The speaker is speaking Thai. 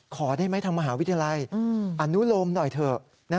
ขอได้ไหมทางมหาวิทยาลัยอนุโลมหน่อยเถอะ